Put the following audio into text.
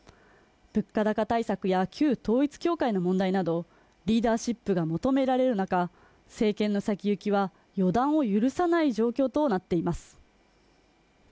物価高対策や旧統一教会の問題などリーダーシップが求められる中、政権の先行きは予断を許さない状況となっています。